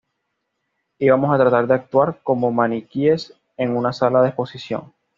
Íbamos a tratar de "actuar" cómo maniquíes en una sala de exposición.